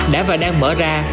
đã và đang mở ra